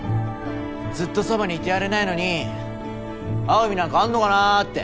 ずっとそばに居てやれないのに会う意味なんかあんのかなって。